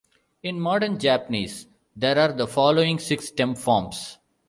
In modern Japanese there are the following six stem forms.